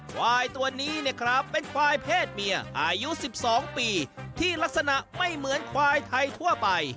ควายตัวนี้เนี่ยครับเป็นควายเพศเมียอายุ๑๒ปีที่ลักษณะไม่เหมือนควายไทยทั่วไป